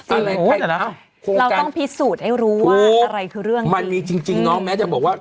ก็เลยเราต้องพิสูจน์ให้รู้ว่าอะไรคือเรื่องนี้มันมีจริงจริงน้องแม้จะบอกว่า